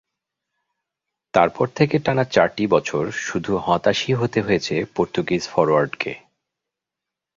তারপর থেকে টানা চারটি বছর শুধু হতাশই হতে হয়েছে পর্তুগিজ ফরোয়ার্ডকে।